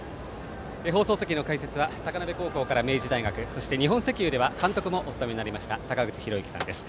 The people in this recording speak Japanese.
放送席の解説は高鍋高校から明治大学そして日本石油では監督もお務めになりました坂口裕之さんです。